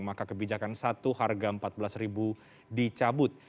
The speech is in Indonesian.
maka kebijakan satu harga rp empat belas dicabut